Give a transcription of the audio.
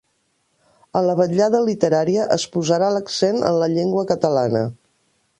A la vetllada literària es posarà l'accent en la llengua catalana.